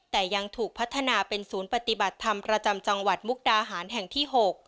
แต่ยังถูกพัฒนาเป็นศูนย์ปฏิบัติธรรมประจำจังหวัดมุกดาหารแห่งที่๖